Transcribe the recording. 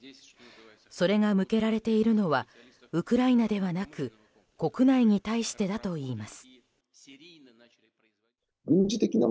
それが向けられているのはウクライナではなく国内に対してだといいます。